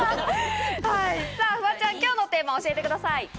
フワちゃん、今日のテーマ、教えてください。